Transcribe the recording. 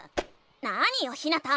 なによひなた！